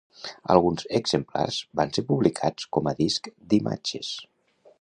Alguns exemplars van ser publicats com a disc d'imatges.